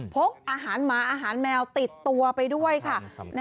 กอาหารหมาอาหารแมวติดตัวไปด้วยค่ะ